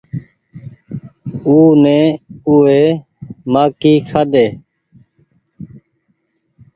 او ني او وي مآڪي کآڍي ۔